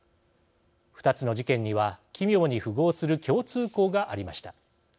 ２つの事件には奇妙に符合する共通項がありました。